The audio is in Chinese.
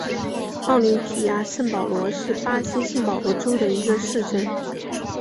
奥林匹亚圣保罗是巴西圣保罗州的一个市镇。